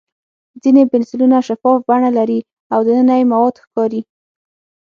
ځینې پنسلونه شفاف بڼه لري او دننه یې مواد ښکاري.